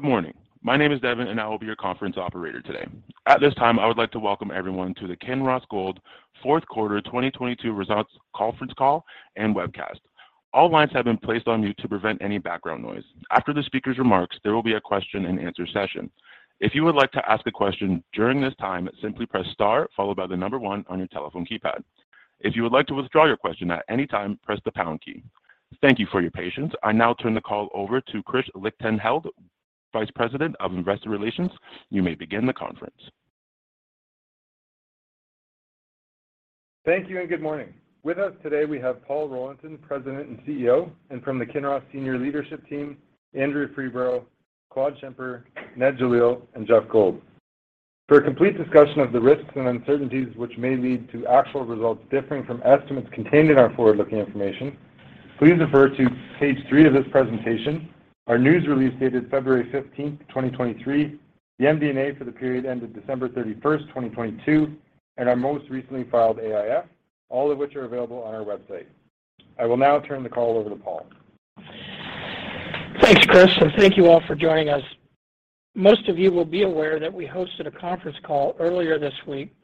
Good morning. My name is Devon and I will be your conference operator today. At this time, I would like to welcome everyone to the Kinross Gold Fourth Quarter 2022 Results Conference Call and Webcast. All lines have been placed on mute to prevent any background noise. After the speaker's remarks, there will be a question-and-answer session. If you would like to ask a question during this time, simply press star followed by the number one on your telephone keypad. If you would like to withdraw your question at any time, press the pound key. Thank you for your patience. I now turn the call over to Chris Lichtenheldt, Vice President of Investor Relations. You may begin the conference. Thank you and good morning. With us today, we have Paul Rollinson, President and CEO, and from the Kinross senior leadership team, Andrea Freeborough, Claude Schimper, Ned Jalil, and Geoff Gold. For a complete discussion of the risks and uncertainties which may lead to actual results differing from estimates contained in our forward-looking information, please refer to page three of this presentation, our news release dated February 15th of 2023, the MD&A for the period ended December 31st, 2022, and our most recently filed AIF, all of which are available on our website. I will now turn the call over to Paul. Thanks Chris, and thank you all for joining us. Most of you will be aware that we hosted a conference call earlier this week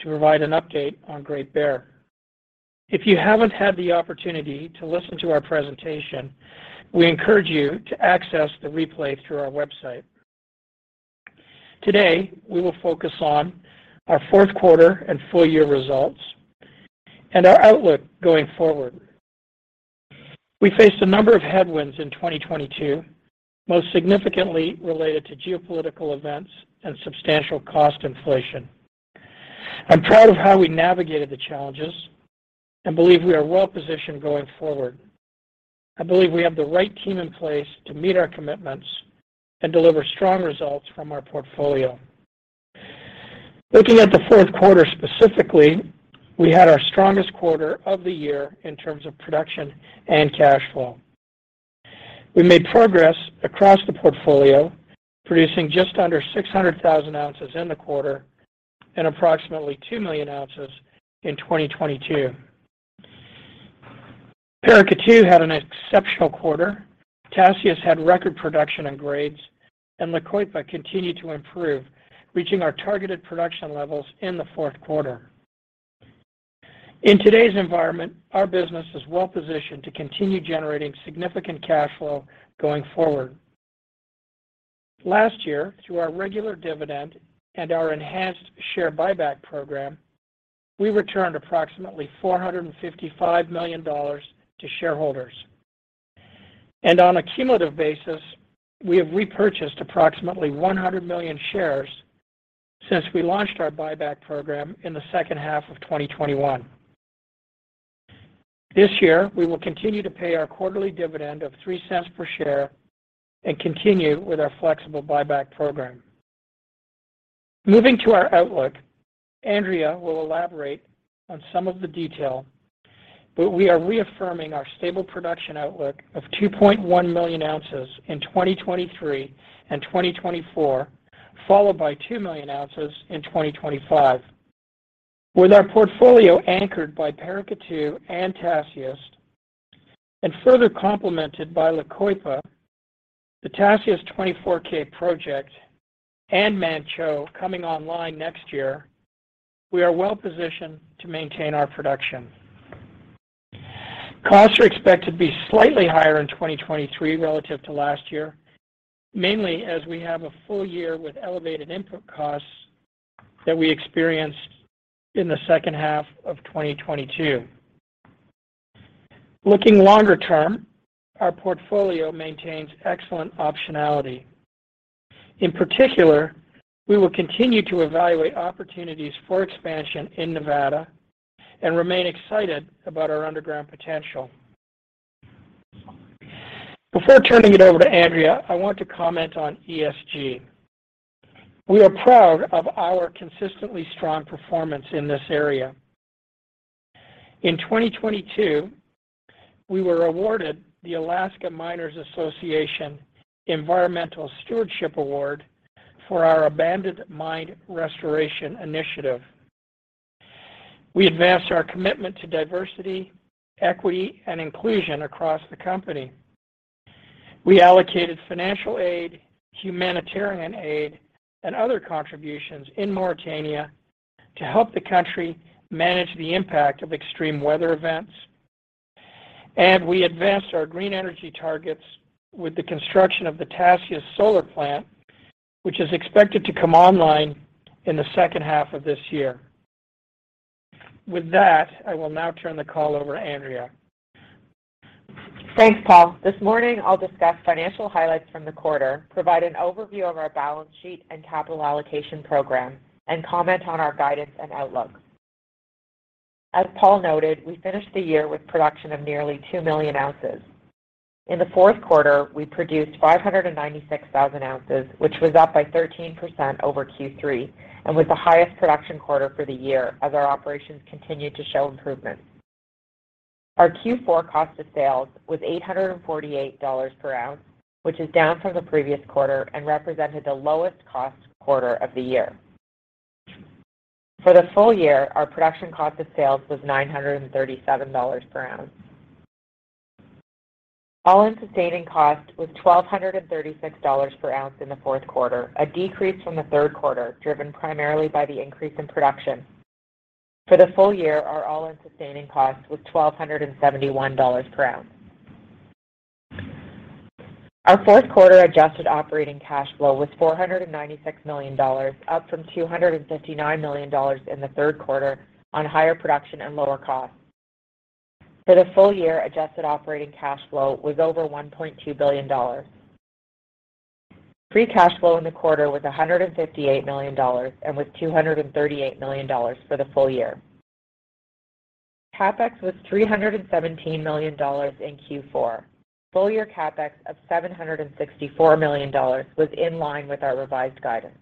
to provide an update on Great Bear. If you haven't had the opportunity to listen to our presentation, we encourage you to access the replay through our website. Today, we will focus on our fourth quarter and full-year results and our outlook going forward. We faced a number of headwinds in 2022, most significantly related to geopolitical events and substantial cost inflation. I'm proud of how we navigated the challenges and believe we are well positioned going forward. I believe we have the right team in place to meet our commitments and deliver strong results from our portfolio. Looking at the fourth quarter specifically, we had our strongest quarter of the year in terms of production and cash flow. We made progress across the portfolio, producing just under 600,000 ounces in the quarter and approximately 2 million ounces in 2022. Paracatu had an exceptional quarter. Tasiast had record production and grades. La Coipa continued to improve, reaching our targeted production levels in the fourth quarter. In today's environment, our business is well-positioned to continue generating significant cash flow going forward. Last year, through our regular dividend and our enhanced share buyback program, we returned approximately $455 million to shareholders. On a cumulative basis, we have repurchased approximately 100 million shares since we launched our buyback program in the second half of 2021. This year, we will continue to pay our quarterly dividend of $0.03 per share and continue with our flexible buyback program. Moving to our outlook, Andrea will elaborate on some of the detail but we are reaffirming our stable production outlook of 2.1 million ounces in 2023 and 2024 followed by 2 million ounces in 2025. With our portfolio anchored by Paracatu and Tasiast, and further complemented by La Coipa, the Tasiast 24k project, and Manh Choh coming online next year, we are well-positioned to maintain our production. Costs are expected to be slightly higher in 2023 relative to last year, mainly as we have a full-year with elevated input costs that we experienced in the second half of 2022. Looking longer term, our portfolio maintains excellent optionality. In particular, we will continue to evaluate opportunities for expansion in Nevada and remain excited about our underground potential. Before turning it over to Andrea, I want to comment on ESG. We are proud of our consistently strong performance in this area. In 2022, we were awarded the Alaska Miners Association Environmental Stewardship Award for our abandoned mine restoration initiative. We advanced our commitment to diversity, equity, and inclusion across the company. We allocated financial aid, humanitarian aid, and other contributions in Mauritania to help the country manage the impact of extreme weather events. We advanced our green energy targets with the construction of the Tasiast Solar Plant, which is expected to come online in the second half of this year. With that, I will now turn the call over to Andrea. Thanks, Paul. This morning, I'll discuss financial highlights from the quarter, provide an overview of our balance sheet and capital allocation program, and comment on our guidance and outlook. As Paul noted, we finished the year with production of nearly 2 million ounces. In the fourth quarter, we produced 596,000 ounces, which was up by 13% over Q3 and was the highest production quarter for the year as our operations continued to show improvement. Our Q4 cost of sales was $848 per ounce, which is down from the previous quarter and represented the lowest cost quarter of the year. For the full-year, our production cost of sales was $937 per ounce. All-in sustaining cost was $1,236 per ounce in the fourth quarter, a decrease from the third quarter, driven primarily by the increase in production. For the full-year, our all-in sustaining cost was $1,271 per ounce. Our fourth quarter adjusted operating cash flow was $496 million, up from $259 million in the third quarter on higher production and lower costs. For the full- year, adjusted operating cash flow was over $1.2 billion. Free cash flow in the quarter was $158 million and was $238 million for the full-year. CapEx was $317 million in Q4. Full-year CapEx of $764 million was in line with our revised guidance.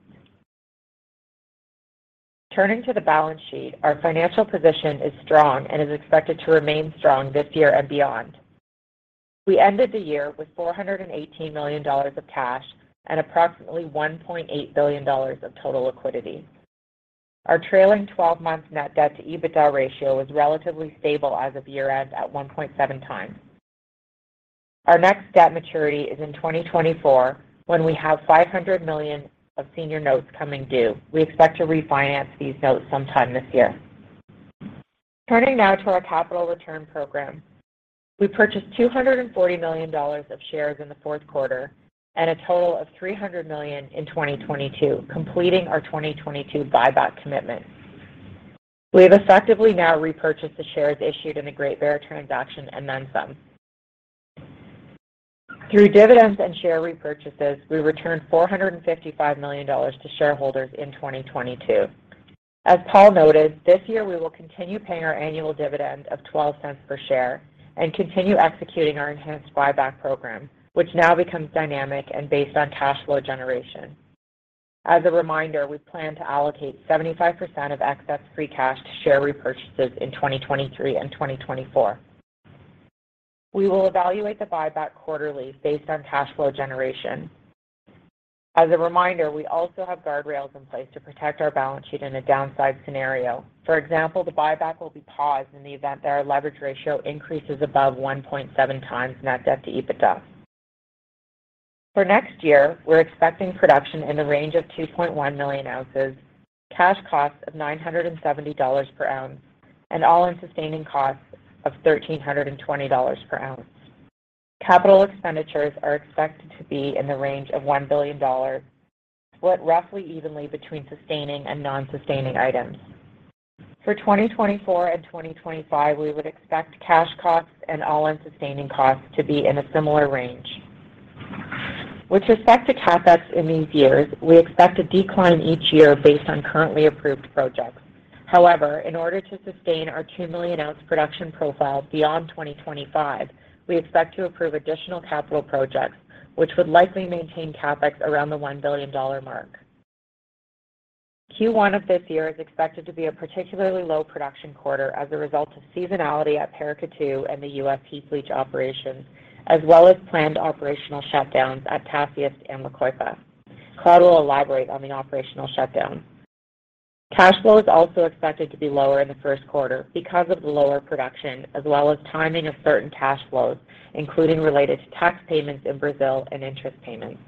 Turning to the balance sheet, our financial position is strong and is expected to remain strong this year and beyond. We ended the year with $418 million of cash and approximately $1.8 billion of total liquidity. Our trailing 12-month net debt to EBITDA ratio was relatively stable as of year-end at 1.7x. Our next debt maturity is in 2024, when we have $500 million of senior notes coming due. We expect to refinance these notes sometime this year. Turning now to our capital return program. We purchased $240 million of shares in the fourth quarter and a total of $300 million in 2022, completing our 2022 buyback commitment. We have effectively now repurchased the shares issued in the Great Bear transaction and then some. Through dividends and share repurchases, we returned $455 million to shareholders in 2022. As Paul noted, this year we will continue paying our annual dividend of $0.12 per share and continue executing our enhanced buyback program, which now becomes dynamic and based on cash flow generation. As a reminder, we plan to allocate 75% of excess free cash to share repurchases in 2023 and 2024. We will evaluate the buyback quarterly based on cash flow generation. As a reminder, we also have guardrails in place to protect our balance sheet in a downside scenario. For example, the buyback will be paused in the event that our leverage ratio increases above 1.7x net debt to EBITDA. For next year, we're expecting production in the range of 2.1 million ounces, cash costs of $970 per ounce, and all-in sustaining costs of $1,320 per ounce. Capital expenditures are expected to be in the range of $1 billion, split roughly evenly between sustaining and non-sustaining items. For 2024 and 2025, we would expect cash costs and all-in sustaining costs to be in a similar range. With respect to CapEx in these years, we expect a decline in each year based on currently approved projects. However, in order to sustain our 2 million ounce production profile beyond 2025, we expect to approve additional capital projects, which would likely maintain CapEx around the $1 billion mark. Q1 of this year is expected to be a particularly low production quarter as a result of seasonality at Paracatu and the heap leach operations, as well as planned operational shutdowns at Tasiast and La Coipa. Claude will elaborate on the operational shutdown. Cash flow is also expected to be lower in the first quarter because of lower production, as well as timing of certain cash flows, including related to tax payments in Brazil and interest payments.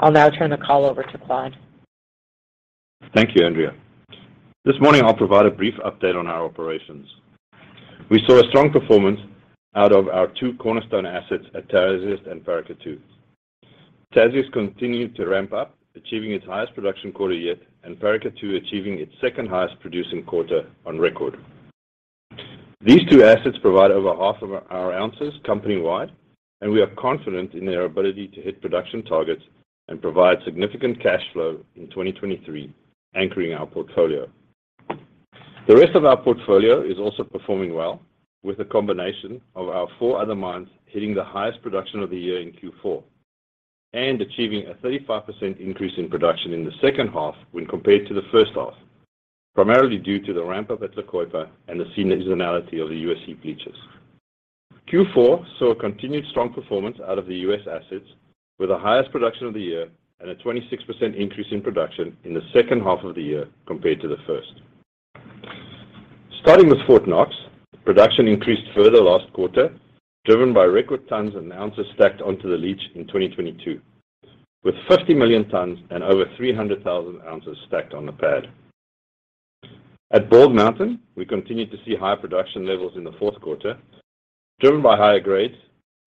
I'll now turn the call over to Claude. Thank you, Andrea. This morning, I'll provide a brief update on our operations. We saw a strong performance out of our two cornerstone assets at Tasiast and Paracatu. Tasiast continued to ramp up achieving its highest production quarter yet and Paracatu achieving its second highest producing quarter on record. These two assets provide over half of our ounces company-wide, and we are confident in their ability to hit production targets, and provide significant cash flow in 2023 anchoring our portfolio. The rest of our portfolio is also performing well with a combination of our four other mines hitting the highest production of the year in Q4 and achieving a 35% increase in production in the second half when compared to the first half primarily due to the ramp up at La Coipa and the seasonality of the heap leaches. Q4 saw continued strong performance out of the U.S. assets with the highest production of the year and a 26% increase in production in the second half of the year compared to the first. Starting with Fort Knox, production increased further last quarter, driven by record tons and ounces stacked onto the leach in 2022, with 50 million tons and over 300,000 ounces stacked on the pad. At Bald Mountain, we continued to see high production levels in the fourth quarter, driven by higher grades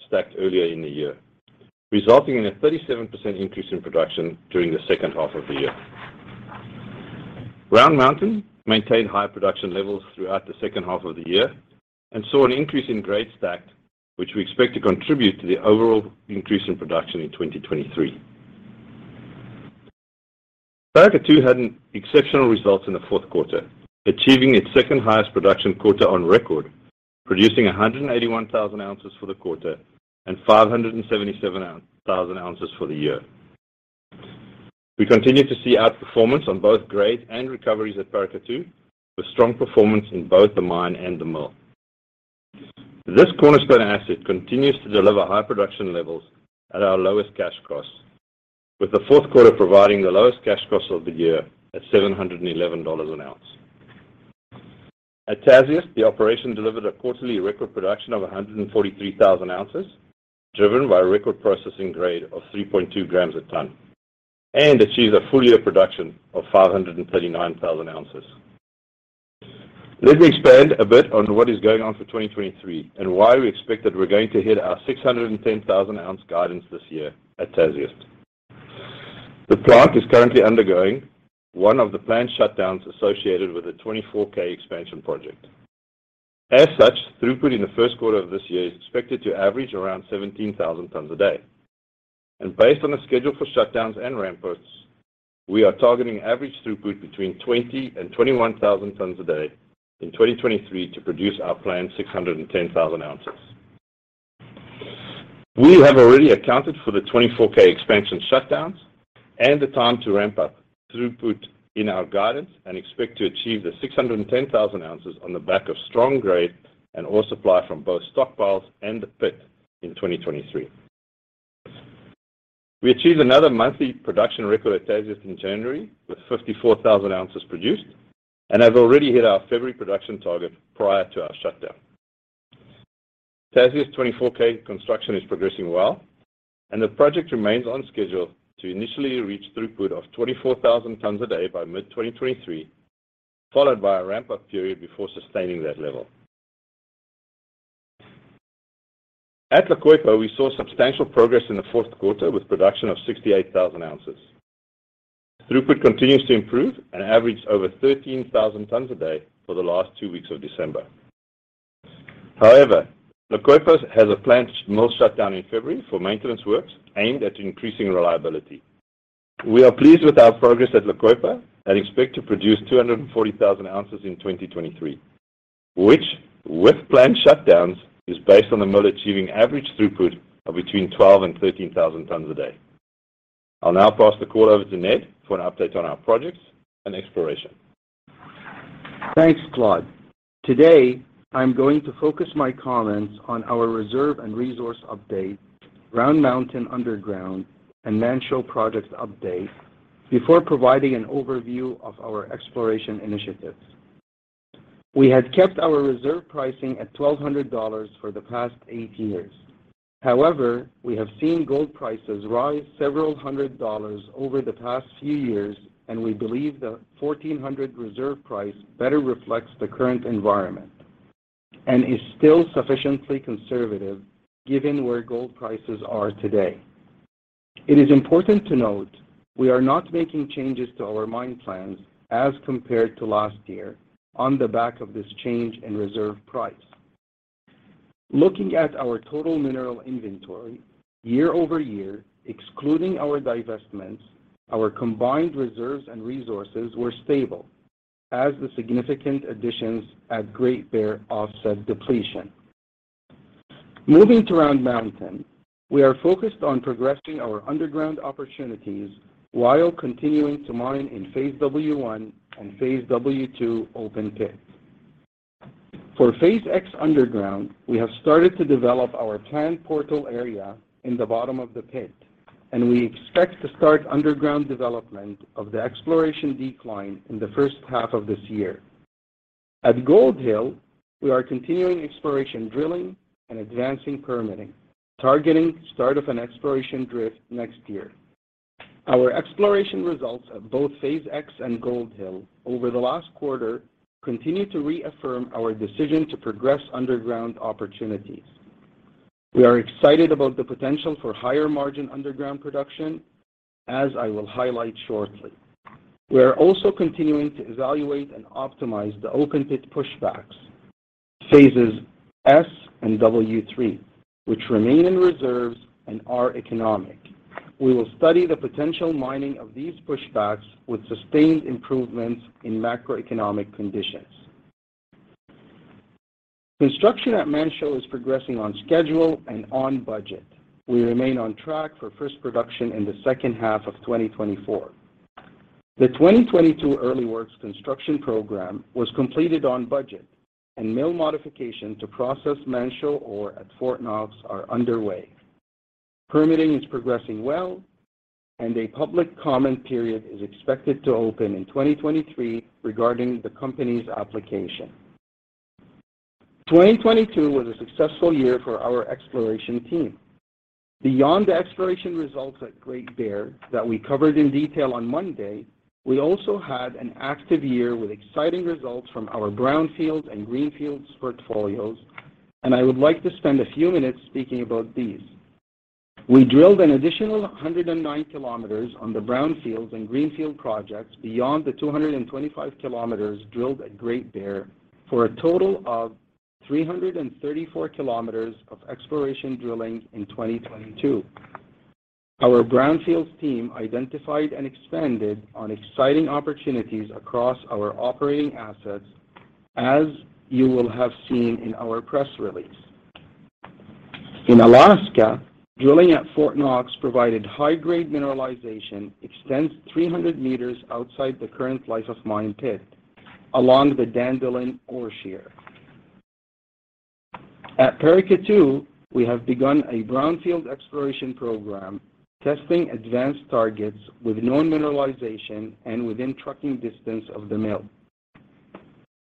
stacked earlier in the year resulting in a 37% increase in production during the second half of the year. Round Mountain maintained high production levels throughout the second half of the year and saw an increase in grade stacked, which we expect to contribute to the overall increase in production in 2023. Paracatu had an exceptional result in the fourth quarter achieving its second highest production quarter on record producing 181,000 ounces for the quarter and 577,000 ounces for the year. We continue to see outperformance on both grade and recoveries at Paracatu, with strong performance in both the mine and the mill. This cornerstone asset continues to deliver high production levels at our lowest cash costs, with the fourth quarter providing the lowest cash costs of the year at $711 an ounce. At Tasiast, the operation delivered a quarterly record production of 143,000 ounces driven by a record processing grade of 3.2 grams a ton, and achieved a full-year production of 539,000 ounces. Let me expand a bit on what is going on for 2023 and why we expect that we're going to hit our 610,000 ounce guidance this year at Tasiast. The plant is currently undergoing one of the planned shutdowns associated with the 24k expansion project. As such, throughput in the first quarter of this year is expected to average around 17,000 tons a day. Based on the schedule for shutdowns and ramp-ups, we are targeting average throughput between 20,000 tons to 21,000 tons a day in 2023 to produce our planned 610,000 ounces. We have already accounted for the 24k expansion shutdowns and the time to ramp up throughput in our guidance and expect to achieve the 610,000 ounces on the back of strong grade and ore supply from both stockpiles and the pit in 2023. We achieved another monthly production record at Tasiast in January with 54,000 ounces produced, and have already hit our February production target prior to our shutdown. Tasiast 24k construction is progressing well and the project remains on schedule to initially reach throughput of 24,000 tons a day by mid-2023 followed by a ramp up period before sustaining that level. At La Coipa, we saw substantial progress in the fourth quarter with production of 68,000 ounces. Throughput continues to improve and averaged over 13,000 tons a day for the last two weeks of December. However, La Coipa has a planned mill shutdown in February for maintenance works aimed at increasing reliability. We are pleased with our progress at La Coipa and expect to produce 240,000 ounces in 2023, which with planned shutdowns, is based on the mill achieving average throughput of between 12,000 tons and 13,000 tons a day. I'll now pass the call over to Ned for an update on our projects and exploration. Thanks, Claude. Today, I'm going to focus my comments on our reserve and resource update, Round Mountain Underground, and Manh Choh projects update before providing an overview of our exploration initiatives. We had kept our reserve pricing at $1,200 for the past eight years. However, we have seen gold prices rise several $100 over the past few years, and we believe the $1,400 reserve price better reflects the current environment, and is still sufficiently conservative given where gold prices are today. It is important to note we are not making changes to our mine plans as compared to last year on the back of this change in reserve price. Looking at our total mineral inventory, year-over-year, excluding our divestments, our combined reserves and resources were stable as the significant additions at Great Bear offset depletion. Moving to Round Mountain, we are focused on progressing our underground opportunities while continuing to mine in phase W1 and phase W2 open pits. For phase X underground, we have started to develop our planned portal area in the bottom of the pit. We expect to start underground development of the exploration decline in the first half of this year. At Gold Hill, we are continuing exploration drilling and advancing permitting, targeting start of an exploration drift next year. Our exploration results at both phase X and Gold Hill over the last quarter continue to reaffirm our decision to progress underground opportunities. We are excited about the potential for higher margin underground production, as I will highlight shortly. We are also continuing to evaluate and optimize the open pit push backs, phases S and W3, which remain in reserves and are economic. We will study the potential mining of these push backs with sustained improvements in macroeconomic conditions. Construction at Manh Choh is progressing on schedule and on budget. We remain on track for first production in the second half of 2024. The 2022 early works construction program was completed on budget, and mill modification to process Manh Choh ore at Fort Knox are underway. Permitting is progressing well and a public comment period is expected to open in 2023 regarding the company's application. 2022 was a successful year for our exploration team. Beyond the exploration results at Great Bear that we covered in detail on Monday, we also had an active year with exciting results from our brownfields and greenfields portfolios, and I would like to spend a few minutes speaking about these. We drilled an additional 109 km on the brownfields and greenfield projects beyond the 225 km drilled at Great Bear for a total of 334 km of exploration drilling in 2022. Our brownfields team identified and expanded on exciting opportunities across our operating assets as you will have seen in our press release. In Alaska, drilling at Fort Knox provided high-grade mineralization extends 300 m outside the current life of mine pit along the Dandelion ore shoot. At Paracatu, we have begun a brownfield exploration program, testing advanced targets with known mineralization and within trucking distance of the mill.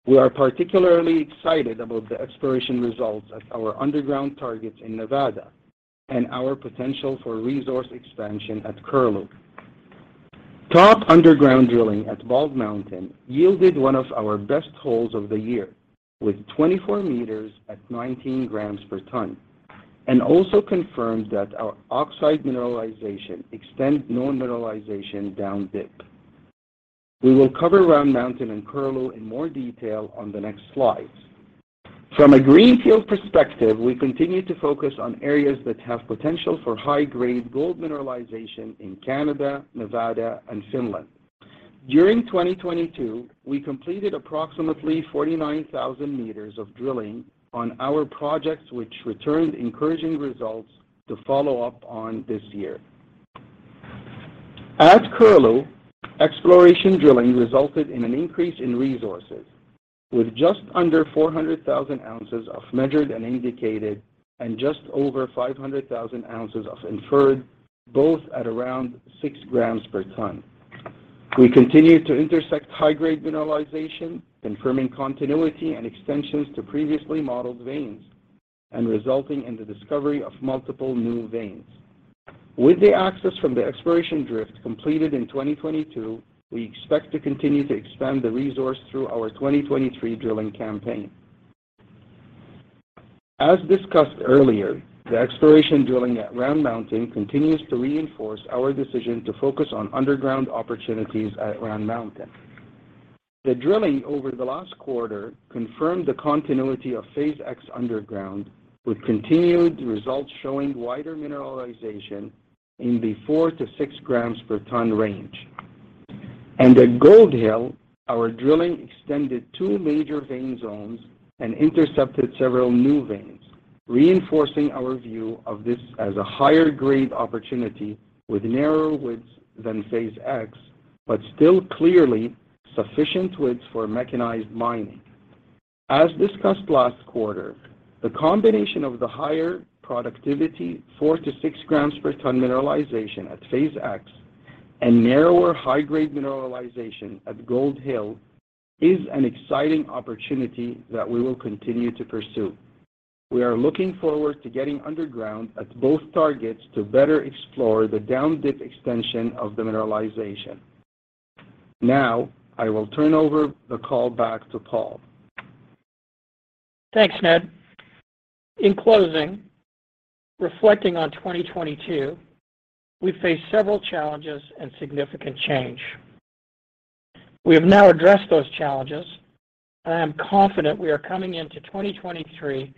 We are particularly excited about the exploration results at our underground targets in Nevada and our potential for resource expansion at Curlew. Top underground drilling at Bald Mountain yielded one of our best holes of the year, with 24 m at 19 grams per ton, also confirmed that our oxide mineralization extends known mineralization down dip. We will cover Round Mountain and Curlew in more detail on the next slides. From a greenfields perspective, we continue to focus on areas that have potential for high-grade gold mineralization in Canada, Nevada, and Finland. During 2022, we completed approximately 49,000 meters of drilling on our projects, which returned encouraging results to follow up on this year. At Curlew, exploration drilling resulted in an increase in resources, with just under 400,000 ounces of measured and indicated and just over 500,000 ounces of inferred, both at around 6 grams per ton. We continue to intersect high-grade mineralization, confirming continuity and extensions to previously modeled veins and resulting in the discovery of multiple new veins. With the access from the exploration drift completed in 2022, we expect to continue to expand the resource through our 2023 drilling campaign. As discussed earlier, the exploration drilling at Round Mountain continues to reinforce our decision to focus on underground opportunities at Round Mountain. The drilling over the last quarter confirmed the continuity of phase X underground, with continued results showing wider mineralization in the 4 grams to 6 grams per ton range. At Gold Hill, our drilling extended two major vein zones and intercepted several new veins, reinforcing our view of this as a higher-grade opportunity with narrower widths than phase X, but still clearly sufficient widths for mechanized mining. As discussed last quarter, the combination of the higher productivity, 4 grams to 6 grams per ton mineralization at Phase X and narrower high-grade mineralization at Gold Hill is an exciting opportunity that we will continue to pursue. We are looking forward to getting underground at both targets to better explore the down-dip extension of the mineralization. I will turn over the call back to Paul. Thanks, Ned. In closing, reflecting on 2022, we faced several challenges and significant change. We have now addressed those challenges. I am confident we are coming into 2023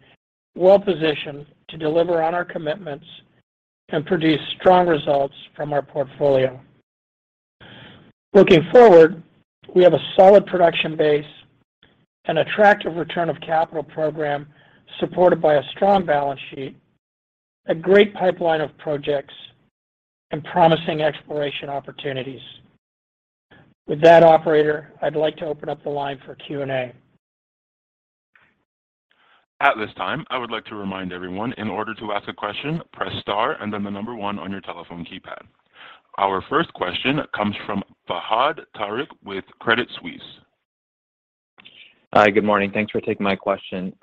well-positioned to deliver on our commitments and produce strong results from our portfolio. Looking forward, we have a solid production base, an attractive return of capital program supported by a strong balance sheet, a great pipeline of projects, and promising exploration opportunities. With that, operator, I'd like to open up the line for Q&A. At this time, I would like to remind everyone in order to ask a question, press star and then the number one on your telephone keypad. Our first question comes from Fahad Tariq with Credit Suisse. Hi. Good morning. Thanks for taking my question.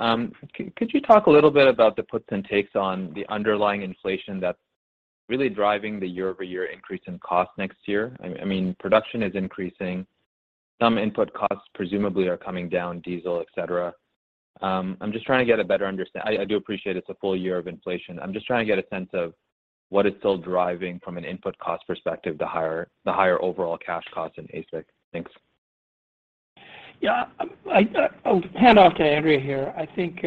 Could you talk a little bit about the puts and takes on the underlying inflation that's really driving the year-over-year increase in cost next year? I mean, production is increasing, some input costs presumably are coming down, diesel, et cetera. I'm just trying to get a better understanding. I do appreciate it's a full year of inflation. I'm just trying to get a sense of what is still driving from an input cost perspective, the higher overall cash costs in AISC. Thanks. Yeah. I'll hand off to Andrea here. I think,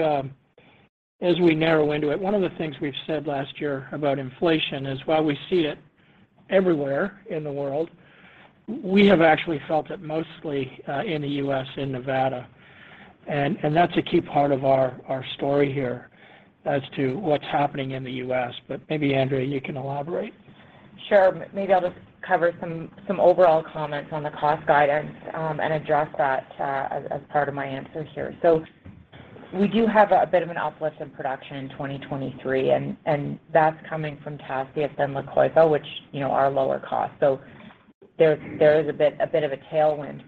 as we narrow into it, one of the things we've said last year about inflation is while we see it everywhere in the world, we have actually felt it mostly, in the U.S., in Nevada. That's a key part of our story here as to what's happening in the U.S. Maybe, Andrea, you can elaborate. Sure. Maybe I'll just cover some overall comments on the cost guidance and address that as part of my answer here. We do have a bit of an uplift in production in 2023, and that's coming from Tasiast and La Coipa, which, you know, are lower cost. There is a bit of a tailwind.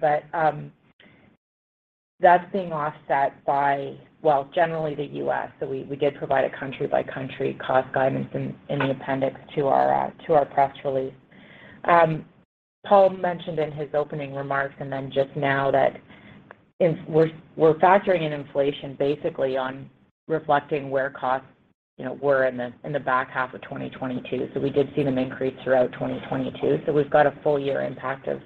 That's being offset by, well, generally the U.S. We did provide a country-by-country cost guidance in the appendix to our press release. Paul mentioned in his opening remarks and then just now that we're factoring in inflation basically on reflecting where costs, you know, were in the back half of 2022. We did see them increase throughout 2022. We've got a full-year impact of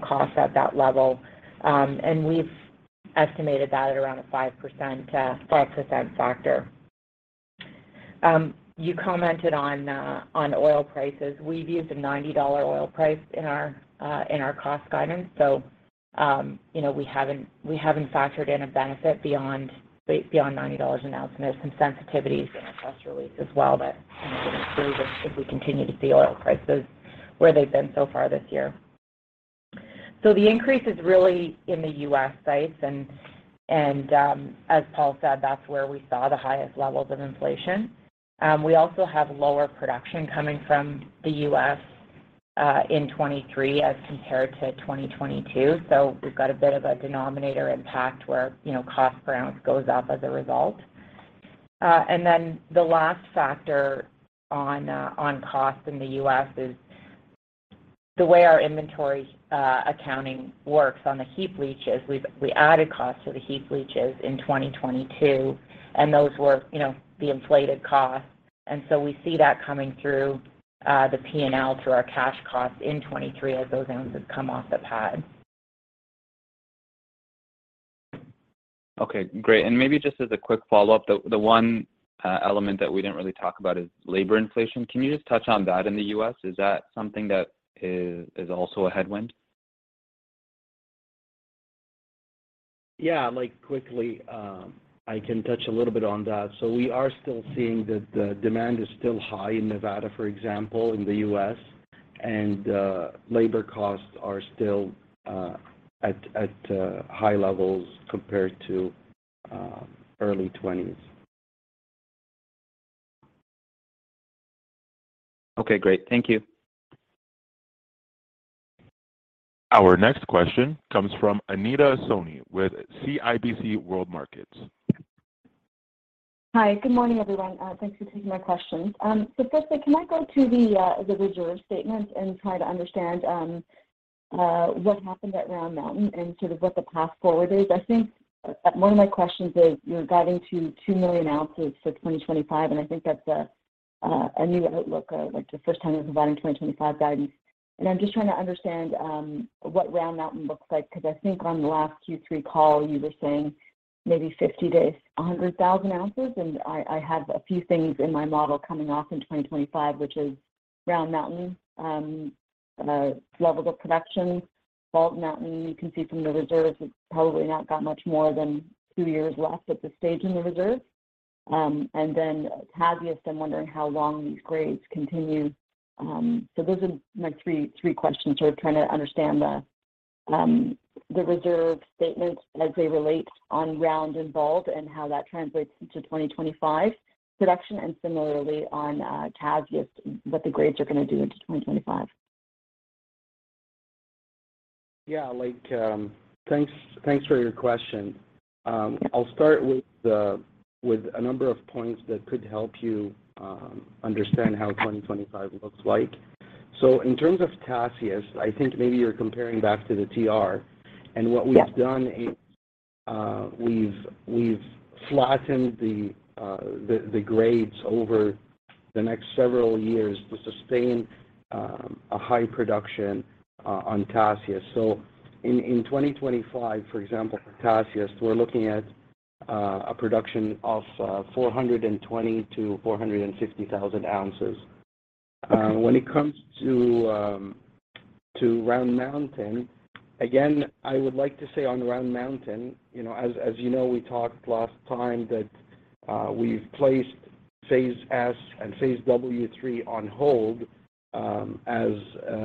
cost at that level. We've estimated that at around a 5% factor. You commented on oil prices. We've used a $90 oil price in our cost guidance. We haven't factored in a benefit beyond $90 an ounce. There's some sensitivities in the press release as well that, you know, wouldn't improve if we continue to see oil prices where they've been so far this year. The increase is really in the U.S. sites, and as Paul said, that's where we saw the highest levels of inflation. We also have lower production coming from the U.S. in 2023 as compared to 2022. We've got a bit of a denominator impact where, you know, cost per ounce goes up as a result. The last factor on cost in the U.S. is the way our inventory accounting works on the heap leaches, we added cost to the heap leaches in 2022, and those were, you know, the inflated costs. We see that coming through, the P&L through our cash costs in 2023 as those ounces come off the pad. Okay, great. Maybe just as a quick follow-up, the one element that we didn't really talk about is labor inflation. Can you just touch on that in the U.S.? Is that something that is also a headwind? Yeah, like, quickly, I can touch a little bit on that. We are still seeing that the demand is still high in Nevada, for example, in the U.S., and labor costs are still at high levels compared to early 2020s. Okay, great. Thank you. Our next question comes from Anita Soni with CIBC World Markets. Hi. Good morning, everyone. Thanks for taking my questions. First, can I go to the reserve statement and try to understand what happened at Round Mountain and sort of what the path forward is? I think one of my questions is you're guiding to 2 million ounces for 2025. I think that's a new outlook, like the first time you're providing 2025 guidance. I'm just trying to understand what Round Mountain looks like, because I think on the last Q3 call, you were saying maybe 50,000 ounces to 100,000 ounces. I have a few things in my model coming off in 2025, which is Round Mountain, levels of production, Bald Mountain, you can see from the reserves, it's probably not got much more than two years left at this stage in the reserve. And then Tasiast, I'm wondering how long these grades continue. Those are my three questions sort of trying to understand the reserve statements as they relate on Round and Bald and how that translates into 2025 production and similarly on Tasiast, what the grades are going to do into 2025. Yeah. Like, thanks for your question. I'll start with a number of points that could help you understand how 2025 looks like. In terms of Tasiast, I think maybe you're comparing back to the TR. Yeah. What we've done is, we've flattened the grades over the next several years to sustain a high production on Tasiast. So in 2025, for example, for Tasiast, we're looking at a production of 420,000ounces to 450,000 ounces. When it comes to Round Mountain, again, I would like to say on Round Mountain, you know, as you know, we talked last time that we've placed phase S and phase W3 on hold, as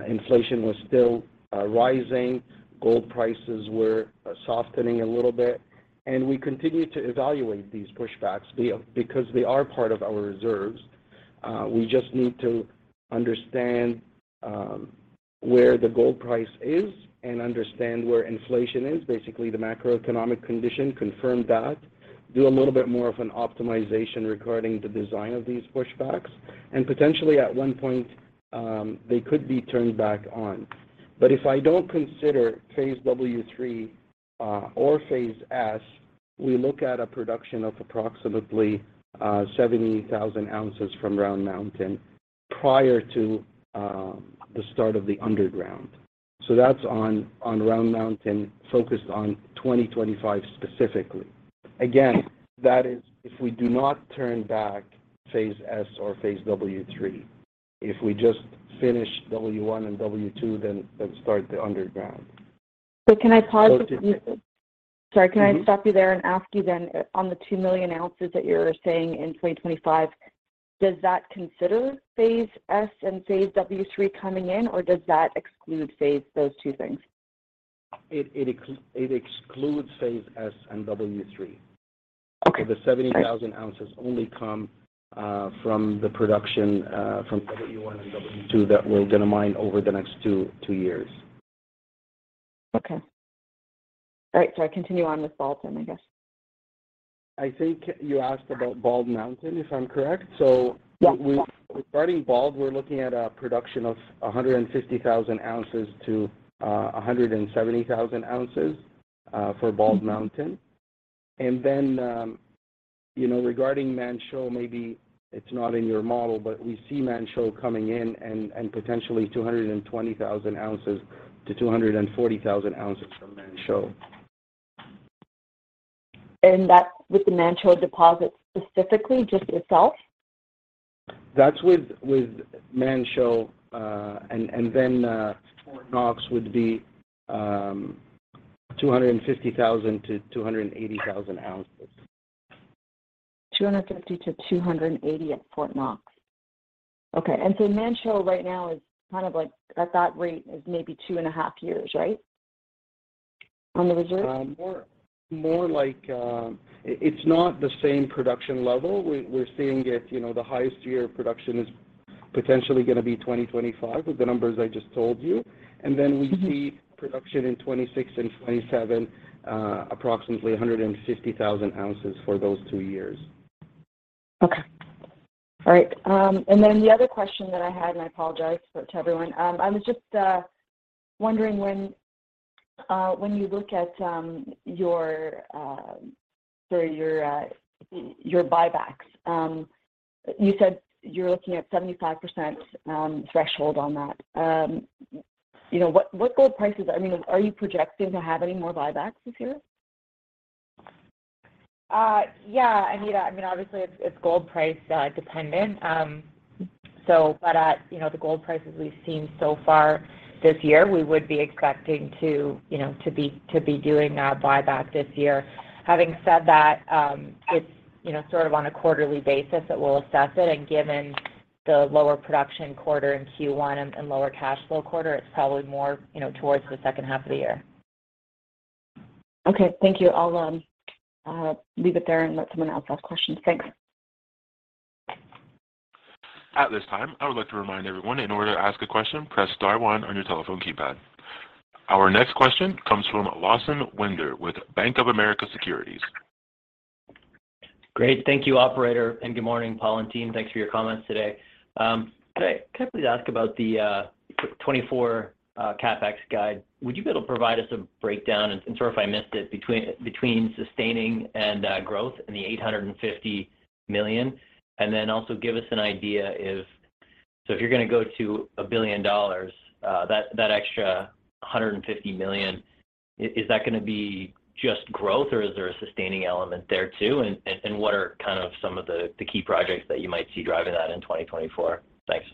inflation was still rising, gold prices were softening a little bit, and we continue to evaluate these pushbacks because they are part of our reserves. We just need to understand where the gold price is and understand where inflation is, basically the macroeconomic condition, confirm that, do a little bit more of an optimization regarding the design of these pushbacks, and potentially at one point, they could be turned back on. If I don't consider phase W3, or phase S, we look at a production of approximately 70,000 ounces from Round Mountain prior to the start of the underground. That's on Round Mountain focused on 2025 specifically. Again, that is if we do not turn back phase S or phase W3, if we just finish W1 and W2, then start the underground. Can I pause you, sorry, can I stop you there? And ask you then on the 2 million ounces that you're saying in 2025, does that consider phase S and phase W3 coming in, or does that exclude phase, those two things? It excludes phase S and W3. Okay. Great. The 70,000 ounces only come from the production from W1 and W2 that we're going to mine over the next two years. Okay. All right. I continue on with Bald Mountain. I think you asked about Bald Mountain, if I'm correct. Yes. So regarding Bald, we're looking at a production of 150,000 ounces to 170,000 ounces for Bald Mountain. You know, regarding Manh Choh, maybe it's not in your model, but we see Manh Choh coming in and potentially 220,000 ounces to 240,000 ounces from Manh Choh. That's with the Manh Choh deposit specifically, just itself? That's with Manh Choh and then Fort Knox would be 250,000 ounces to 280,000 ounces. 250,000 ounces to 280, 000 ounces at Fort Knox, okay. Manh Choh right now is kind of like, at that rate, is maybe 2.5 years, right, on the reserve? More like, it's not the same production level. We're seeing it, you know, the highest year of production is potentially going to be 2025 with the numbers I just told you. We see production in 2026 and 2027, approximately 150,000 ounces for those two years. Okay. All right. The other question that I had and I apologize to everyone. I was just wondering when you look at your, sorry, your buybacks, you said you're looking at 75% threshold on that. What gold prices, I mean, are you projecting to have any more buybacks this year? Yeah, Anita, I mean, obviously it's gold price dependent. But, you know, the gold prices we've seen so far this year, we would be expecting to, you know, to be doing a buyback this year. Having said that, it's, you know, sort of on a quarterly basis that we'll assess it, and given the lower production quarter in Q1 and lower cash flow quarter, it's probably more, you know, towards the second half of the year. Thank you. I'll leave it there and let someone else ask questions. Thanks. At this time, I would like to remind everyone, in order to ask a question, press star one on your telephone keypad. Our next question comes from Lawson Winder with Bank of America Securities. Great. Thank you, operator, and good morning, Paul and team. Thanks for your comments today. Could I please ask about the 2024 CapEx guide? Would you be able to provide us a breakdown, and sorry if I missed it, between sustaining and growth in the $850 million? Also give us an idea if you're going to go to $1 billion, that extra $150 million, is that going to be just growth or is there a sustaining element there too? What are kind of some of the key projects that you might see driving that in 2024? Thanks.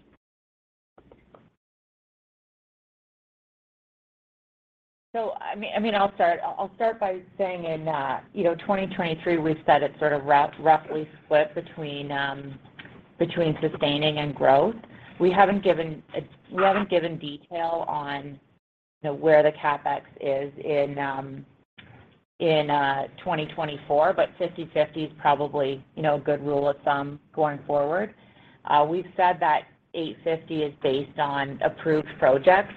I'll start by saying in, you know, 2023, we've said it's sort of rough, roughly split between sustaining and growth. We haven't given detail on, you know, where the CapEx is in 2024, but 50/50 is probably, you know, a good rule of thumb going forward. We've said that $850 million is based on approved projects.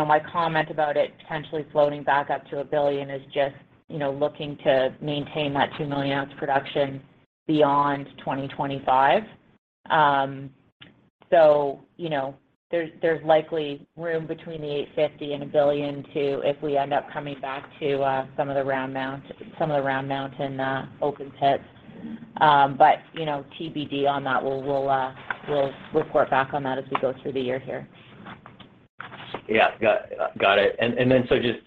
My comment about it potentially floating back up to $1 billion is just, you know, looking to maintain that 2 million ounce production beyond 2025. You know, there's likely room between the $850 million and $1 billion to, if we end up coming back to, some of the Round Mountain open pits but, you know, TBD on that. We'll report back on that as we go through the year here. Yeah. Got it and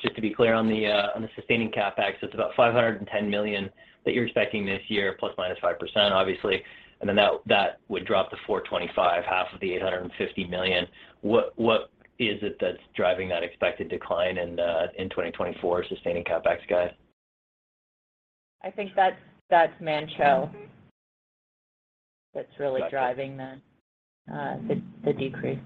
just to be clear on the sustaining CapEx, it's about $510 million that you're expecting this year, ±5% obviously, and then that would drop to $425 million, half of the $850 million. What is it that's driving that expected decline in 2024 sustaining CapEx guide? I think that's Manh Choh that's really driving the decrease.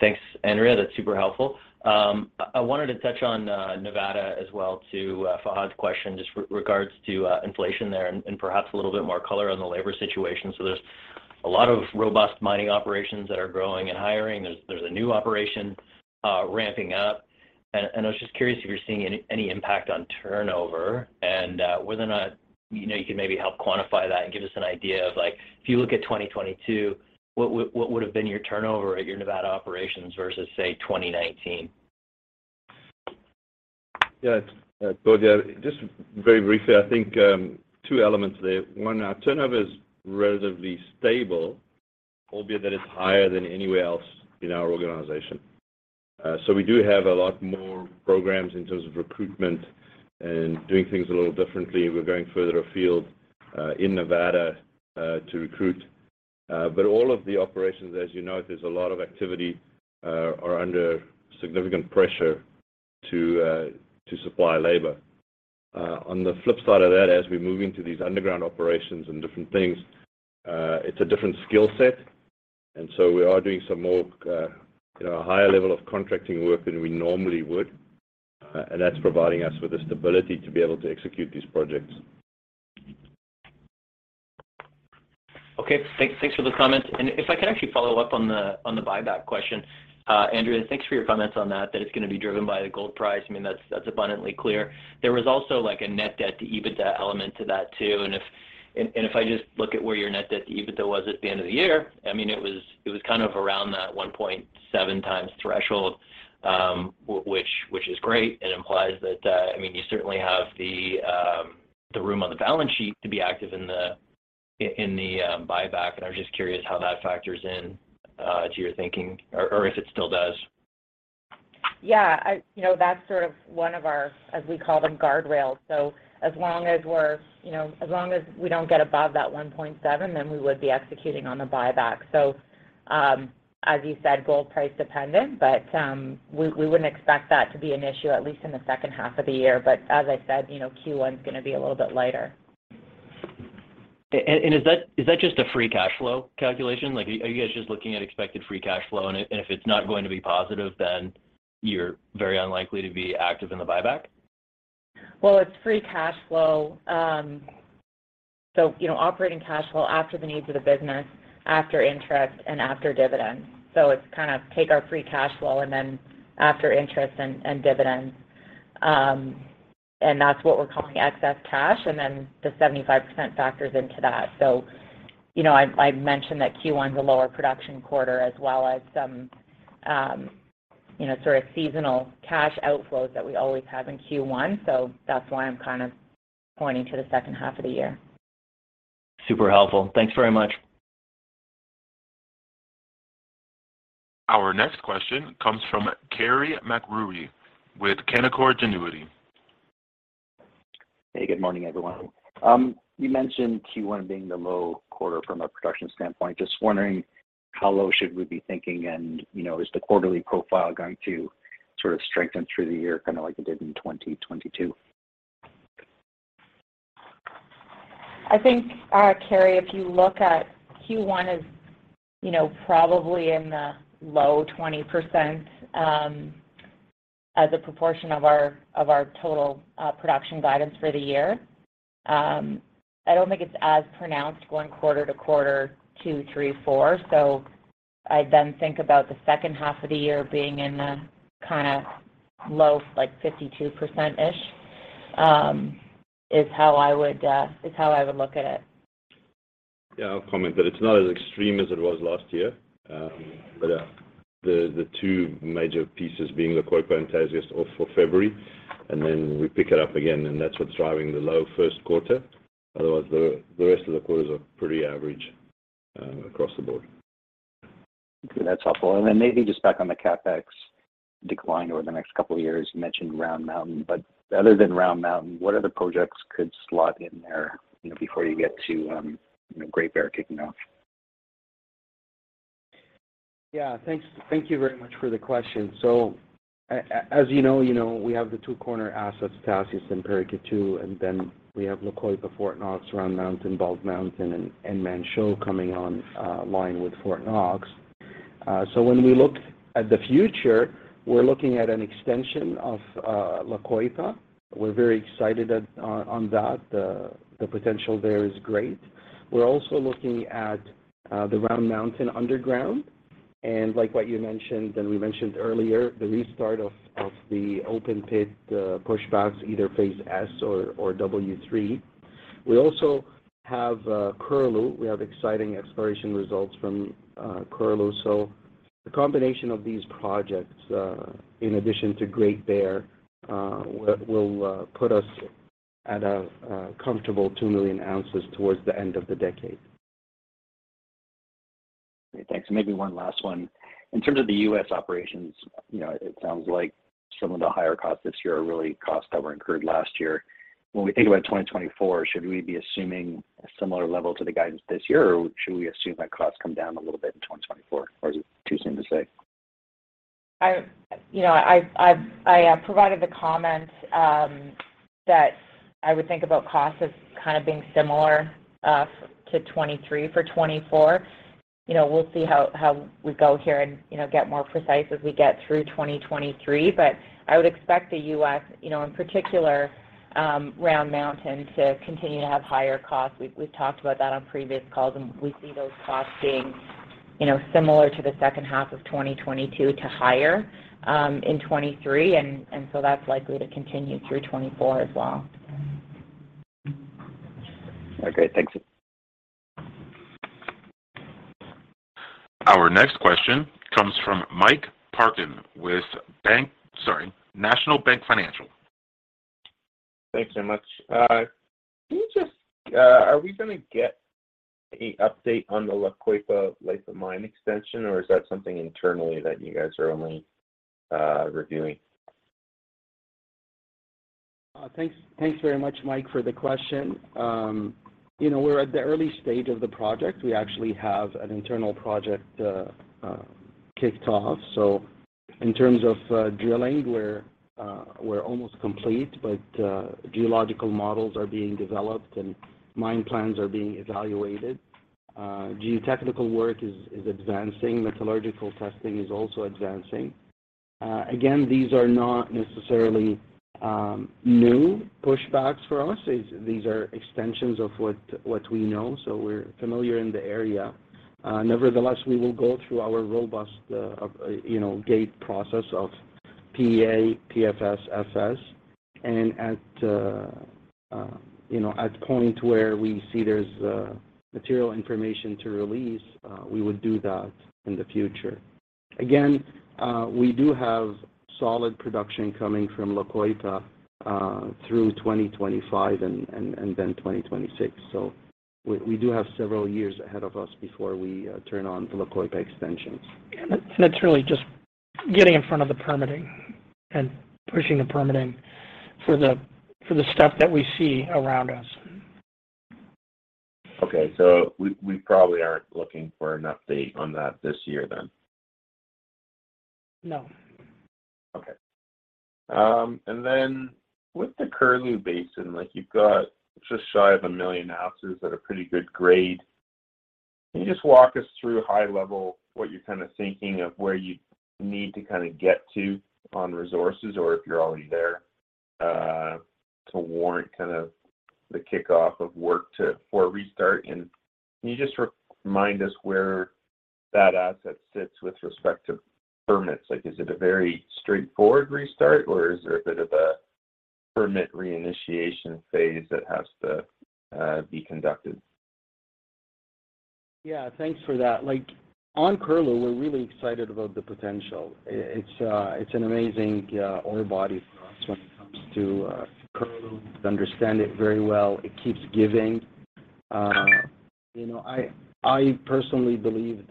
Thanks, Andrea. That's super helpful. I wanted to touch on Nevada as well to Fahad Tariq's question just regards to inflation there and perhaps a little bit more color on the labor situation. There's a lot of robust mining operations that are growing and hiring. There's a new operation ramping up. I was just curious if you're seeing any impact on turnover and whether or not, you know, you could maybe help quantify that and give us an idea of, like, if you look at 2022, what would've been your turnover at your Nevada operations versus, say, 2019? Yes. Just very briefly, I think, two elements there. One, our turnover is relatively stable, albeit that it's higher than anywhere else in our organization. We do have a lot more programs in terms of recruitment and doing things a little differently. We're going further afield in Nevada to recruit. All of the operations, as you note, there's a lot of activity, are under significant pressure to supply labor. On the flip side of that, as we move into these underground operations and different things, it's a different skill set. We are doing some more, you know, a higher level of contracting work than we normally would, and that's providing us with the stability to be able to execute these projects. Okay. Thanks, thanks for the comment. If I can actually follow up on the, on the buyback question. Andrea, thanks for your comments on that it's going to be driven by the gold price. I mean, that's abundantly clear. There was also, like, a net debt to EBITDA element to that too. If I just look at where your net debt to EBITDA was at the end of the year, I mean, it was kind of around that 1.7x threshold, which is great. It implies that, I mean, you certainly have the room on the balance sheet to be active in the buyback, and I was just curious how that factors in to your thinking or if it still does. Yeah. You know, that's sort of one of our, as we call them, guardrails. As long as we're, you know, as long as we don't get above that 1.7x, then we would be executing on the buyback. As you said, gold price dependent, but we wouldn't expect that to be an issue at least in the second half of the year. As I said, you know, Q1 is going to be a little bit lighter. Is that just a free cash flow calculation? Like, are you guys just looking at expected free cash flow and if it's not going to be positive, then you're very unlikely to be active in the buyback? Well, it's free cash flow, you know, operating cash flow after the needs of the business, after interest and after dividends. It's kind of take our free cash flow and then after interest and dividends. That's what we're calling excess cash and then the 75% factors into that. You know, I've mentioned that Q1's a lower production quarter as well as some, you know, sort of seasonal cash outflows that we always have in Q1. That's why I'm kind of pointing to the second half of the year. Super helpful and thanks very much. Our next question comes from Carey MacRury with Canaccord Genuity. Hey, good morning, everyone. You mentioned Q1 being the low quarter from a production standpoint. I'm just wondering how low should we be thinking and, you know, is the quarterly profile going to sort of strengthen through the year kind of like it did in 2022? I think, Carey, if you look at Q1 is, you know, probably in the low 20%, as a proportion of our total, production guidance for the year. I don't think it's as pronounced going quarter to quarter two, three, four. I then think about the second half of the year being in the kind of low, like 52%-ish, is how I would look at it. Yeah. I'll comment that it's not as extreme as it was last year. But the two major pieces being the quarter and Tasiast or for February, and then we pick it up again, and that's what's driving the low first quarter. Otherwise, the rest of the quarters are pretty average across the board. Okay and that's helpful. Then maybe just back on the CapEx decline over the next couple of years. You mentioned Round Mountain, but other than Round Mountain, what other projects could slot in there, you know, before you get to, you know, Great Bear kicking off? Yeah. Thanks. Thank you very much for the question. As you know, you know, we have the two corner assets, Tasiast and Paracatu, and then we have La Coipa, Fort Knox, Round Mountain, Bald Mountain, and Manh Choh coming on line with Fort Knox. When we look at the future, we're looking at an extension of La Coipa. We're very excited on that. The potential there is great. We're also looking at the Round Mountain underground and like what you mentioned and we mentioned earlier, the restart of the open pit push backs, either phase S or W3. We also have Curlew. We have exciting exploration results from Curlew. The combination of these projects, in addition to Great Bear, will put us at a comfortable 2 million ounces towards the end of the decade. Okay. Thanks. Maybe one last one. In terms of the U.S. operations, you know, it sounds like some of the higher costs this year are really costs that were incurred last year. When we think about 2024, should we be assuming a similar level to the guidance this year, or should we assume that costs come down a little bit in 2024, or is it too soon to say? I, you know, I provided the comment that I would think about costs as kind of being similar to 2023 for 2024. You know, we'll see how we go here and, you know, get more precise as we get through 2023. I would expect the U.S., you know, in particular, Round Mountain to continue to have higher costs. We've talked about that on previous calls, and we see those costs being, you know, similar to the second half of 2022 to higher in 2023, and so that's likely to continue through 2024 as well. Okay. Great. Thanks. Our next question comes from Mike Parkin with, sorry, National Bank Financial. Thanks so much. Can you just, are we going to get a update on the La Coipa life of mine extension, or is that something internally that you guys are only reviewing? Thanks, thanks very much, Mike, for the question. You know, we're at the early stage of the project. We actually have an internal project kicked off. In terms of drilling, we're almost complete. Geological models are being developed and mine plans are being evaluated. Geotechnical work is advancing. Metallurgical testing is also advancing. Again, these are not necessarily new pushbacks for us. These are extensions of what we know, so we're familiar in the area. Nevertheless, we will go through our robust, you know, gate process of PEA, PFS, FS. At, you know, at point where we see there's material information to release, we would do that in the future. Again, we do have solid production coming from La Coipa, through 2025 and then 2026. We do have several years ahead of us before we turn on the La Coipa extensions. It's really just getting in front of the permitting and pushing the permitting for the stuff that we see around us. Okay. We probably aren't looking for an update on that this year then? No. Okay. And then with the Curlew Basin, like you've got just shy of 1 million ounces at a pretty good grade. Can you just walk us through high level what you're kind of thinking of where you need to kind of get to on resources or if you're already there, to warrant kind of the kickoff of work to, for a restart? Can you just remind us where that asset sits with respect to permits? Like is it a very straightforward restart or is there a bit of a permit re-initiation phase that has to be conducted? Yeah, thanks for that. Like on Curlew, we're really excited about the potential. It's an amazing ore body for us when it comes to Curlew. We understand it very well. It keeps giving. You know, I personally believe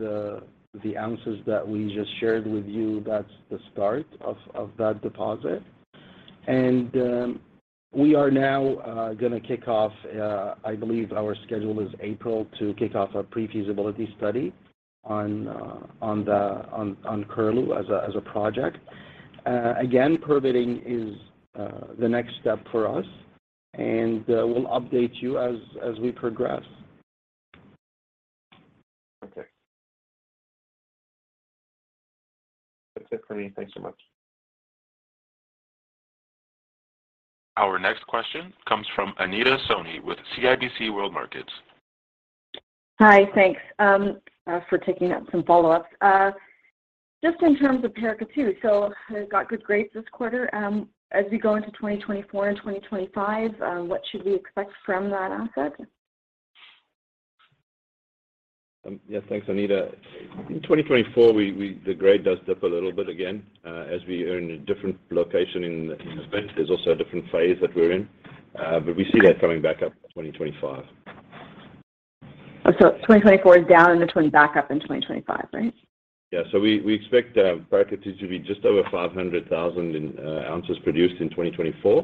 the ounces that we just shared with you, that's the start of that deposit. We are now going to kick off, I believe our schedule is April to kick off a pre-feasibility study on Curlew as a project. Again, permitting is the next step for us, and we'll update you as we progress. Okay. That's it for me. Thanks so much. Our next question comes from Anita Soni with CIBC World Markets. Hi. Thanks for taking up some follow-ups. Just in terms of Paracatu, it got good grades this quarter. As we go into 2024 and 2025, what should we expect from that asset? Yeah, thanks, Anita. In 2024 we the grade does dip a little bit again, as we earn a different location in the bench. There's also a different phase that we're in, but we see that coming back up in 2025. 2024 is down and then back up in 2025, right? We expect Paracatu to be just over 500,000 in ounces produced in 2024.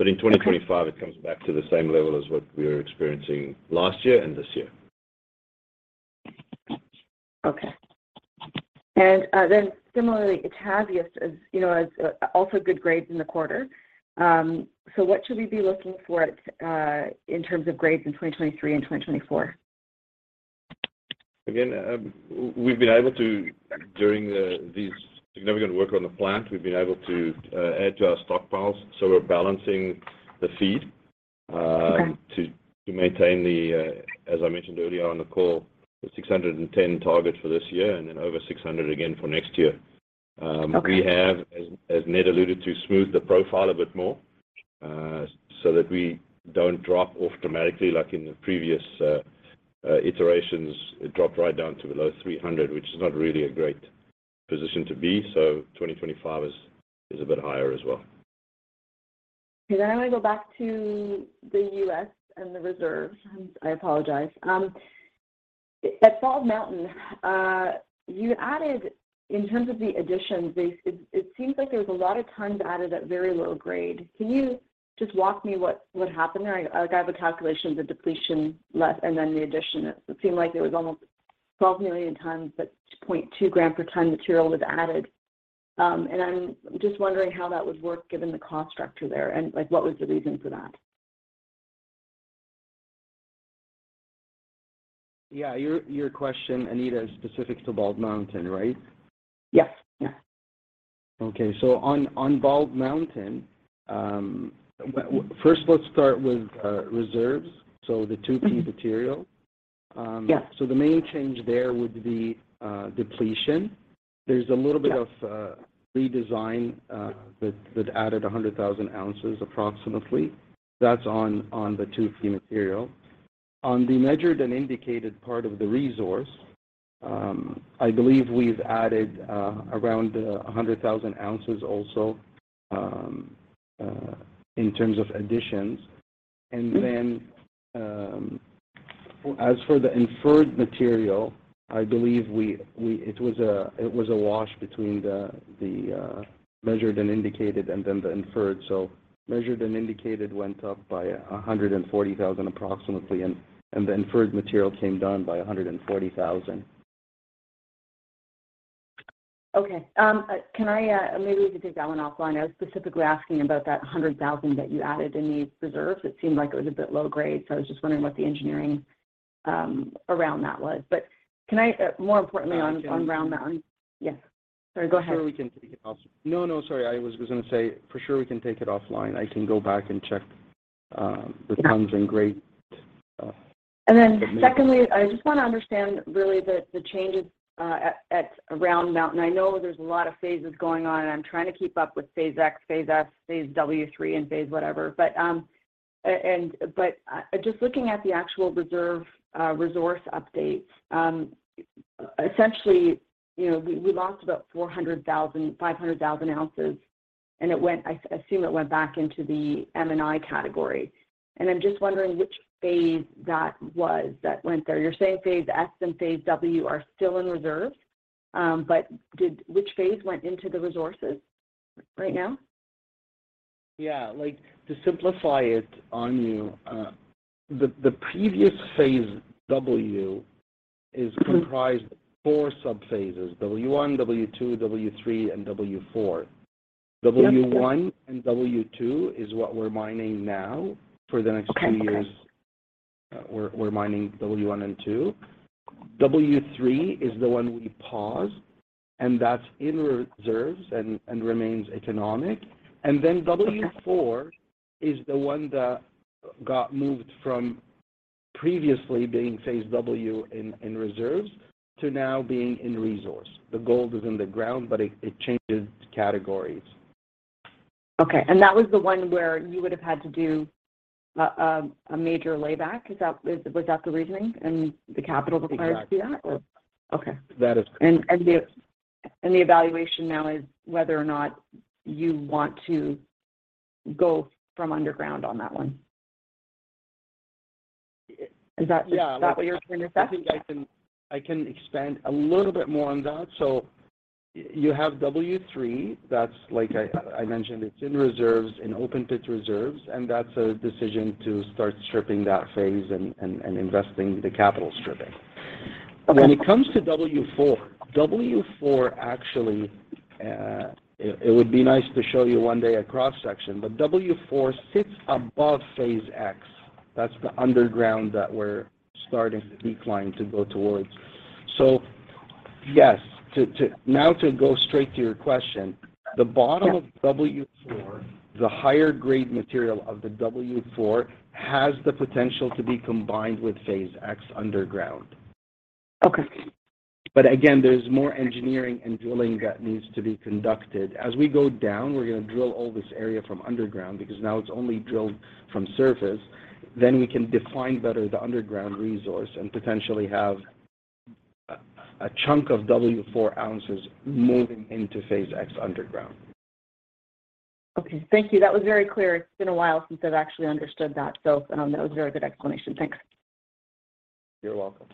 Okay. In 2025 it comes back to the same level as what we were experiencing last year and this year. Okay. Similarly, Tasiast is, you know, has also good grades in the quarter. What should we be looking for at in terms of grades in 2023 and 2024? We've been able to, during this significant work on the plant, we've been able to add to our stockpiles, so we're balancing the feed to maintain the as I mentioned earlier on the call, the 610 target for this year and then over 600 again for next year. We have, as Ned alluded to, smoothed the profile a bit more, so that we don't drop off dramatically like in the previous iterations. It dropped right down to below 300, which is not really a great position to be. 2025 is a bit higher as well. Okay. I want to go back to the U.S. and the reserves. I apologize. At Bald Mountain, in terms of the additions, it seems like there was a lot of tons added at very low grade. Can you just walk me what happened there? Like I have a calculation of the depletion left and then the addition. It seemed like there was almost 12 million tons at 0.2 gram per ton material was added. I'm just wondering how that would work given the cost structure there and what was the reason for that? Yeah. Your question, Anita, is specific to Bald Mountain, right? Yes. Yes. Okay. on Bald Mountain, first let's start with reserves, so the 2P material. Yeah. The main change there would be depletion. There's a little bit of redesign that added 100,000 ounces approximately. That's on the 2P material. On the measured and indicated part of the resource, I believe we've added around 100,000 ounces also in terms of additions. As for the inferred material, I believe it was a wash between the measured and indicated and then the inferred, so measured and indicated went up by 140,000 approximately, and the inferred material came down by 140,000. Okay. Can I, maybe we could take that one offline. I was specifically asking about that 100,000 that you added in these reserves. It seemed like it was a bit low grade, so I was just wondering what the engineering around that was. Can I, more importantly on Round Mountain? Sure. Yeah. Sorry, go ahead. No, no, sorry. I was going to say for sure we can take it offline. I can go back and check the tons and grade. Secondly, I just want to understand really the changes at Round Mountain. I know there's a lot of phases going on, and I'm trying to keep up with phase X, phase S, phase W3, and phase whatever. Just looking at the actual reserve resource updates, essentially, you know, we lost about 400,000 ounces and 500,000 ounces, and I assume it went back into the M&I category. I'm just wondering which phase that was that went there. You're saying phase S and phase W are still in reserve, Which phase went into the resources right now? Yeah. Like, to simplify it on you, the previous phase W is comprised of four sub-phases, W1, W2, W3, and W4. Yep. W1 and W2 is what we're mining now. For the next two years. Okay. We're mining W1 and W2. W3 is the one we paused, that's in reserves and remains economic. Then W4 is the one that got moved from previously being Phase W in reserves to now being in resource. The gold is in the ground but it changes categories. Okay. That was the one where you would've had to do a major layback. Was that the reasoning and the capital required to do that? Exactly. Okay. That is correct. The evaluation now is whether or not you want to go from underground on that one. Yeah. Is that what you're trying to say? I think I can expand a little bit more on that. You have W3, that's like I mentioned, it's in reserves, in open pit reserves, that's a decision to start stripping that phase and investing the capital stripping. When it comes to W4 actually, it would be nice to show you one day a cross-section but W4 sits above phase X. That's the underground that we're starting the decline to go towards. Yes. Now, to go straight to your question, the bottom of W4, the higher grade material of the W4 has the potential to be combined with phase X underground. Okay. There's more engineering and drilling that needs to be conducted. As we go down, we're going to drill all this area from underground because now it's only drilled from surface. We can define better the underground resource and potentially have a chunk of W4 ounces moving into phase X underground. Okay. Thank you. That was very clear. It's been a while since I've actually understood that. That was a very good explanation. Thanks. You're welcome.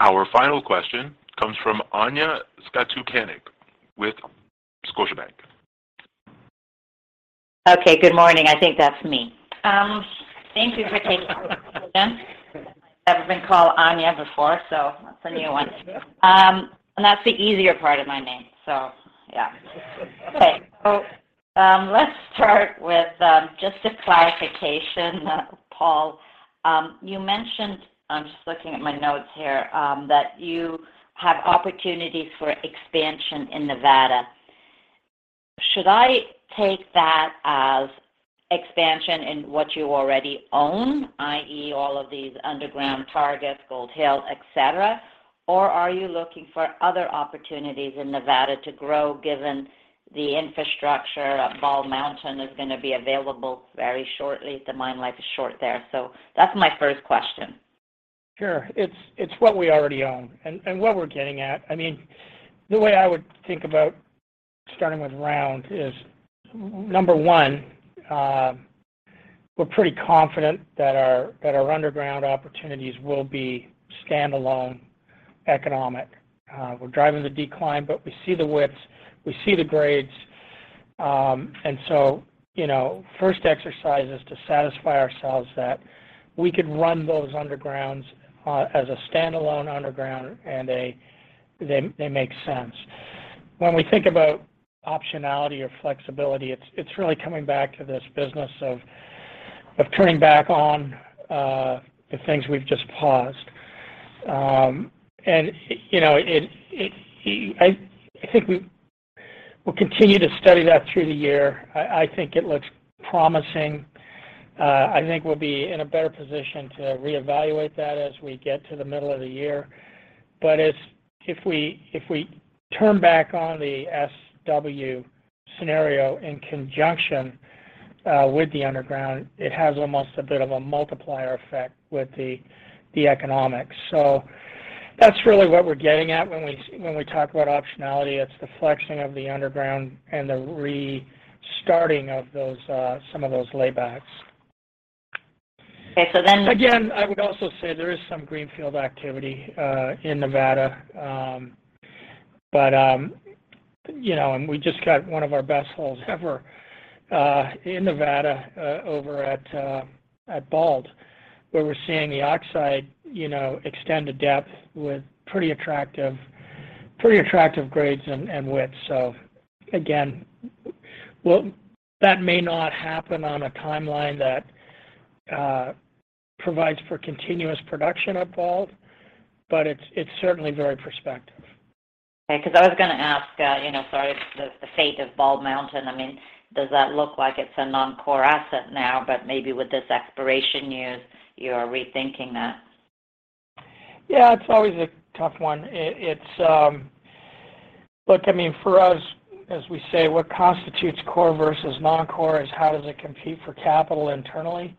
Our final question comes from Tanya Jakusconek with Scotiabank. Okay. Good morning. I think that's me. Thank you for taking my question. I never been called Anya before, so that's a new one. That's the easier part of my name, so yeah. Okay. Let's start with just a clarification, Paul. You mentioned, I'm just looking at my notes here, that you have opportunities for expansion in Nevada. Should I take that as expansion in what you already own, i.e., all of these underground targets, Gold Hill, et cetera, or are you looking for other opportunities in Nevada to grow given the infrastructure at Bald Mountain is going to be available very shortly? The mine life is short there. That's my first question. Sure. It's what we already own and what we're getting at, I mean, the way I would think about starting with Round is, number one, we're pretty confident that our underground opportunities will be standalone economic. We're driving the decline but we see the widths, we see the grades. You know, first exercise is to satisfy ourselves that we could run those undergrounds as a standalone underground and they make sense. When we think about optionality or flexibility, it's really coming back to this business of turning back on the things we've just paused. You know, I think we will continue to study that through the year. I think it looks promising. I think we'll be in a better position to reevaluate that as we get to the middle of the year. If we turn back on the S-W scenario in conjunction with the underground, it has almost a bit of a multiplier effect with the economics. That's really what we're getting at when we talk about optionality. It's the flexing of the underground and the restarting of some of those laybacks. Okay. I would also say there is some greenfield activity in Nevada. You know, and we just got one of our best holes ever in Nevada over at Bald where we're seeing the oxide, you know, extend to depth with pretty attractive grades and widths. Again, that may not happen on a timeline that provides for continuous production at Bald, but it's certainly very prospective. Okay, because I was going to ask, you know, sorry, the fate of Bald Mountain. I mean, does that look like it's a non-core asset now, but maybe with this exploration you're rethinking that? Yeah, it's always a tough one. Look, I mean, for us, as we say, what constitutes core versus non-core is how does it compete for capital internally.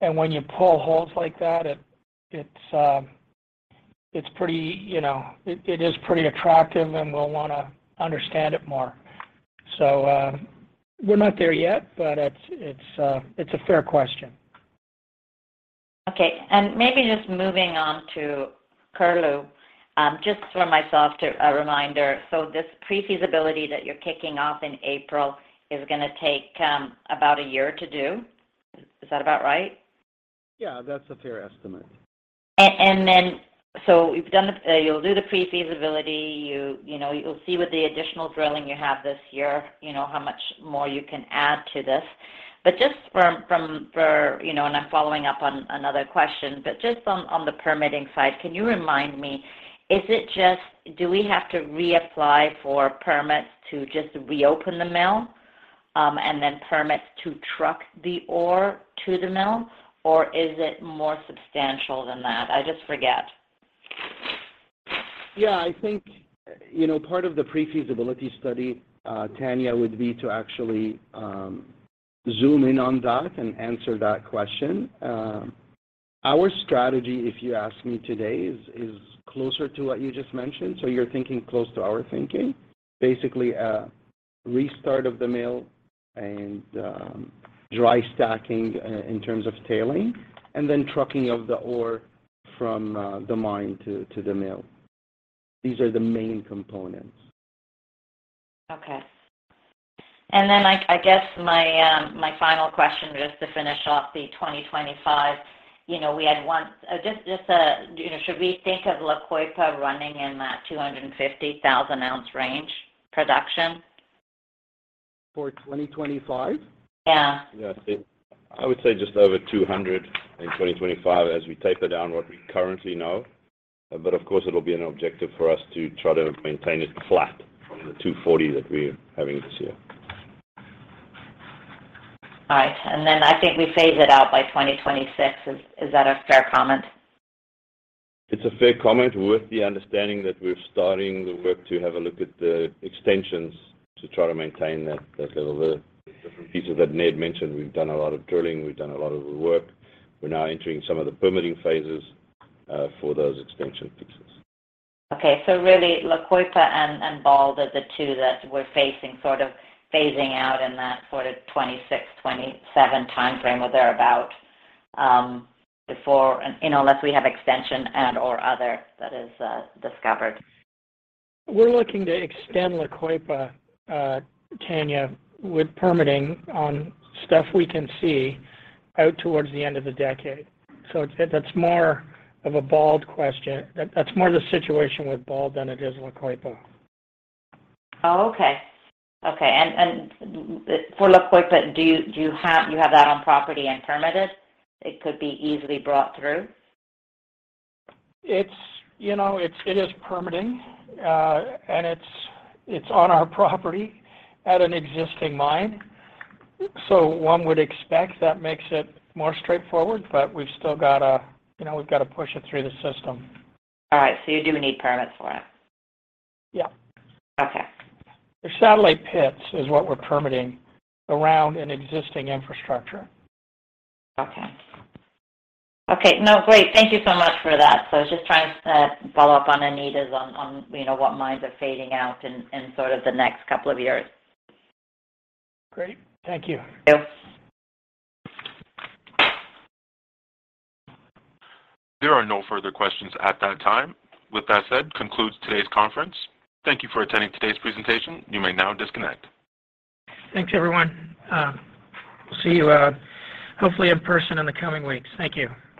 When you pull holes like that, it's pretty, you know, it is pretty attractive, and we'll want to understand it more. We're not there yet, but it's a fair question. Okay. Maybe just moving on to Curlew, just for myself a reminder, this pre-feasibility that you're kicking off in April is going to take about a year to do. Is that about right? Yeah, that's a fair estimate. You've done the, you'll do the pre-feasibility. You, you know, you'll see with the additional drilling you have this year, you know, how much more you can add to this. Just, you know, and I'm following up on another question, just on the permitting side, can you remind me, is it just, do we have to reapply for permits to just reopen the mill and then permits to truck the ore to the mill? Is it more substantial than that? I just forget. Yeah. I think, you know, part of the pre-feasibility study, Tanya, would be to actually zoom in on that and answer that question. Our strategy, if you ask me today, is closer to what you just mentioned, so you're thinking close to our thinking. Basically, a restart of the mill and dry stacking in terms of tailing, and then trucking of the ore from the mine to the mill. These are the main components. Okay. My final question just to finish off the 2025, you know, should we think of La Coipa running in that 250,000 ounce range production? For 2025? Yeah. Yeah. I would say just over $200 in 2025 as we taper down what we currently know. Of course, it'll be an objective for us to try to maintain it flat from the $240 that we're having this year. All right. I think we phase it out by 2026. Is that a fair comment? It's a fair comment with the understanding that we're starting the work to have a look at the extensions to try to maintain that level there. And Ned mentioned, we've done a lot of drilling, we've done a lot of the work. We're now entering some of the permitting phases for those extension pieces. Really La Coipa and Bald are the two that we're phasing out in that sort of 26, 27 timeframe or thereabout, before, you know, unless we have extension and/or other that is discovered. We're looking to extend La Coipa, Tanya, with permitting on stuff we can see out towards the end of the decade. That's more of a Bald question. That's more the situation with Bald than it is La Coipa. Oh, okay. Okay. For La Coipa, do you have that on property and permitted? It could be easily brought through? It's, you know, it is permitting, and it's on our property at an existing mine. One would expect that makes it more straightforward, but we've still got to, you know, push it through the system. All right. You do need permits for it? Yeah. Okay. The satellite pits is what we're permitting around an existing infrastructure. Okay. No, great. Thank you so much for that. I was just trying to follow up on Anita's on, you know, what mines are fading out in sort of the next couple of years. Great. Thank you. Thank you. There are no further questions at that time. With that said, concludes today's conference. Thank you for attending today's presentation. You may now disconnect. Thanks, everyone. We'll see you, hopefully, in person in the coming weeks. Thank you.